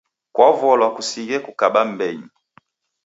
Kwavolwa kusighe kukaba m'mbenyu.